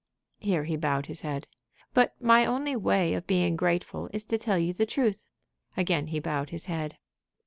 Here he bowed his head. "But my only way of being grateful is to tell you the truth." Again he bowed his head.